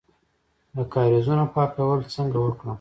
د کاریزونو پاکول څنګه وکړم؟